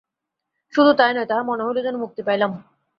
শুধু তাই নয়, তাহার মনে হইল, যেন মুক্তি পাইলাম।